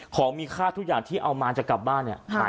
ของมีค่าการจัดการนานมาพวกเขาอย่างสวนไทยเท่ากันไป